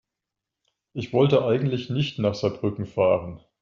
Ich wollte eigentlich nicht nach Saarbrücken fahren